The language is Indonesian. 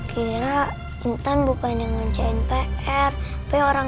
kasih aja kan yang jawab intan